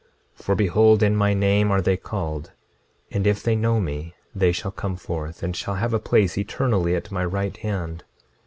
26:24 For behold, in my name are they called; and if they know me they shall come forth, and shall have a place eternally at my right hand.